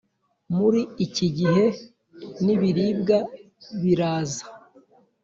muri iki gihe n’ibiribwa biraza